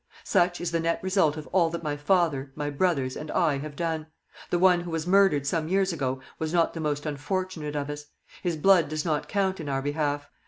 Such is the net result of all that my father, my brothers, and I have done. The one who was murdered some years ago was not the most unfortunate of us. His blood does not count in our behalf.